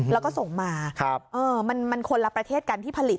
แล้วก็ส่งมามันคนละประเทศกันที่ผลิต